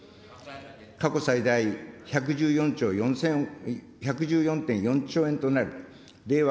過去最大１１４．４兆円となる令和